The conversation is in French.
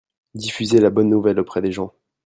Diffuser la bonne nouvelle auprès des gens.